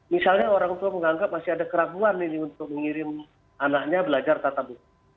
misalnya orang tua menganggap masih ada keraguan ini untuk mengirim anaknya belajar tatap muka